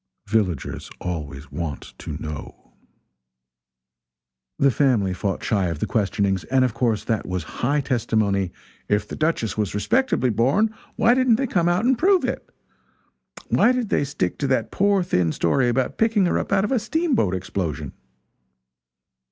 Villagers always want to know. The family fought shy of the questionings, and of course that was high testimony "if the Duchess was respectably born, why didn't they come out and prove it? why did they, stick to that poor thin story about picking her up out of a steamboat explosion?"